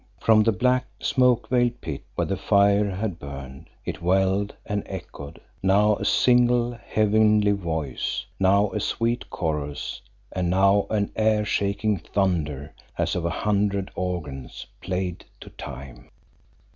From the black, smoke veiled pit where the fire had burned it welled and echoed now a single heavenly voice, now a sweet chorus, and now an air shaking thunder as of a hundred organs played to time.